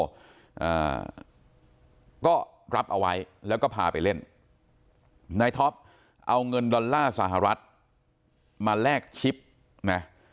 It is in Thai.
อ่าก็รับเอาไว้แล้วก็พาไปเล่นนายท็อปเอาเงินดอลลาร์สหรัฐมาแลกชิปนะ